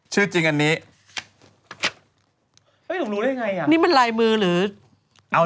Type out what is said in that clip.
ชื่อจริงอันนี้เฮ้ยหนูรู้ได้ยังไงอ่ะนี่มันลายมือหรือเอา